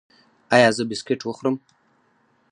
ایا زه بسکټ وخورم؟